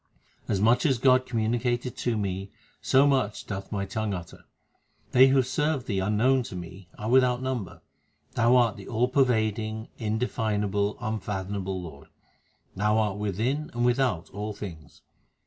As much as God communicated to me, so much doth my tongue utter. They who serve Thee unknown to me are without number. Thou art the all pervading, indefinable, unfathomable Lord ; Thou art within and without all things.